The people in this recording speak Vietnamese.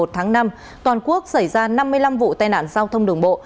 một tháng năm toàn quốc xảy ra năm mươi năm vụ tai nạn giao thông đường bộ